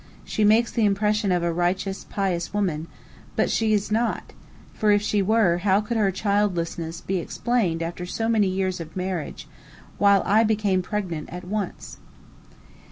She makes the impression of a righteous, pious woman, but she is not, for if she were, how could her childlessness be explained after so many years of marriage, while I became pregnant at once?"